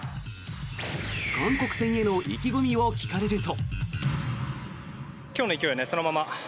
韓国戦への意気込みを聞かれると。